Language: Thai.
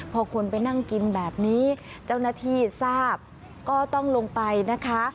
พอคนไปนั่งกินแบบนี้เจ้าหน้าที่ทราบก็ต้องลงไปนะคะ